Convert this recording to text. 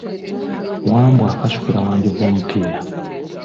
Wambwa akasukira Wanjovu omupiira.